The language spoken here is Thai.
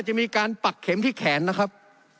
จะมีการปักเข็มที่แขนนะครับ